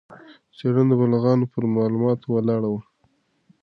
څېړنه د بالغانو پر معلوماتو ولاړه وه.